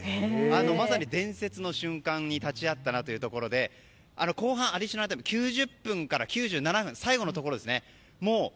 まさに伝説の瞬間に立ち会ったなというところで後半、アディショナルタイム９０分から９７分最後のところですね